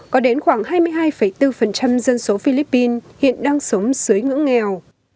có đến khoảng hai mươi hai bốn dân số philippines hiện đang sống dưới ngưỡng nghèo